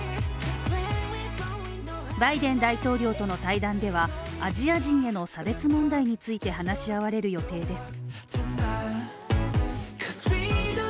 バイデン大統領との対談ではアジア人への差別問題について話し合われる予定です。